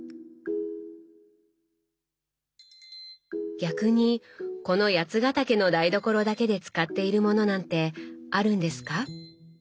逆にこの八ヶ岳の台所だけで使っているものなんてあるんですか？